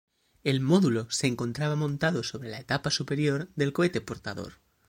El módulo se encontraba montado sobre la etapa superior del cohete portador.